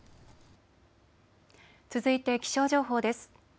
続いて気象情報です。